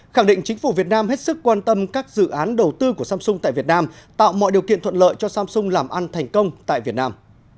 khẳng định chính phủ việt nam hết sức quan tâm các dự án đầu tư của samsung tại việt nam tạo mọi điều kiện thuận lợi cho samsung làm ăn thành công tại việt nam